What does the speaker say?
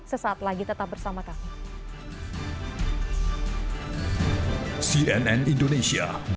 sesaat lagi tetap bersama kami